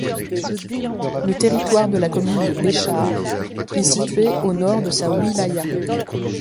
Le territoire de la commune de Béchar est situé au nord de sa wilaya.